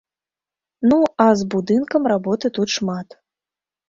Ну а з будынкам работы тут шмат.